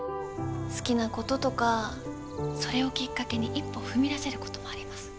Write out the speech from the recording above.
好きなこととかそれをきっかけに一歩踏み出せることもあります。